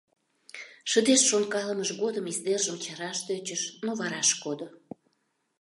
Шыдешт шонкалымыж годым издержым чараш тӧчыш, но вараш кодо.